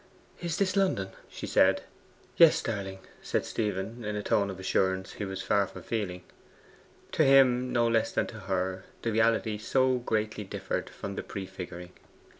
Is this London?' she said. 'Yes, darling,' said Stephen in a tone of assurance he was far from feeling. To him, no less than to her, the reality so greatly differed from the prefiguring.